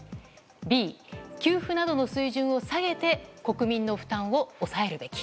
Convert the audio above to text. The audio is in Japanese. Ｂ、給付などの水準を下げて国民の負担を抑えるべき。